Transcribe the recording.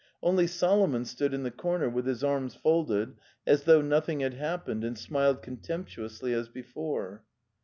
Only Solomon stood in the corner with his arms folded, as though nothing had happened, and smiled contemptuously as before.